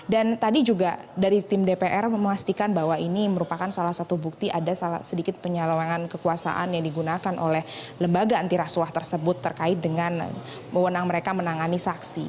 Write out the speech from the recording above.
dan tadi juga dari tim dpr memastikan bahwa ini merupakan salah satu bukti ada sedikit penyalangan kekuasaan yang digunakan oleh lembaga antirasuah tersebut terkait dengan wawonang mereka menangani saksi